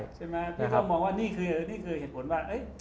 พี่ต้องมองว่านี่คือเหตุผลว่า